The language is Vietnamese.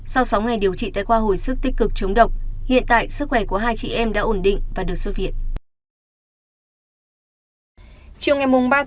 sau sáu ngày điều trị tại khoa hồi sức tích cực chống độc hiện tại sức khỏe của hai chị em đã ổn định và được xuất viện